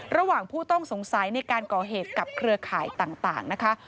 ผู้ต้องสงสัยในการก่อเหตุกับเครือข่ายต่างนะคะ